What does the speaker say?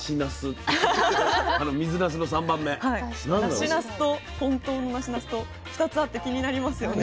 「梨茄子」と「本当の梨なす」と２つあって気になりますよね。